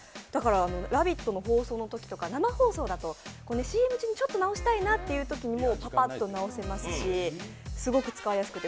「ラヴィット！」の放送のときとか、生放送だとＣＭ中にちょっと直したいなって時にもパパッと直せますしすごく使いやすくて。